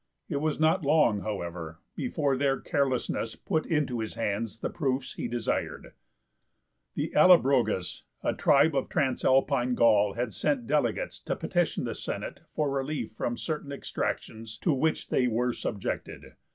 It was not long, however, before their carelessness put into his hands the proofs he desired. The Allobroges, a tribe of Transalpine Gaul, had sent delegates to petition the Senate for relief from certain exactions to which they were subjected.